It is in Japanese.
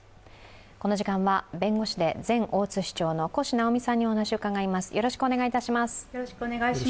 この時間は、弁護士で前大津市長の越直美さんにお話を伺います。